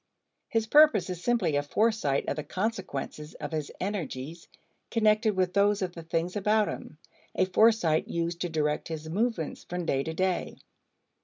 His purpose is simply a foresight of the consequences of his energies connected with those of the things about him, a foresight used to direct his movements from day to day.